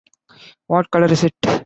What color is it?